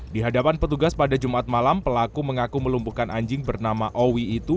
di hadapan petugas pada jumat malam pelaku mengaku melumpuhkan anjing bernama owi itu